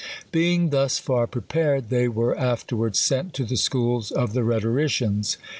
Being thus far prepared, they were afterwards sent to the schools of the rhetoricians.